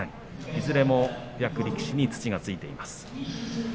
いずれも役力士に土がついています。